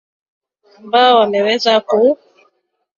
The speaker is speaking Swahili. ambao wameweza ku